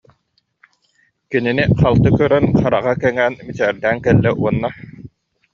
Кинини халты көрөн, хараҕа кэҥээн мичээрдээн кэллэ уонна: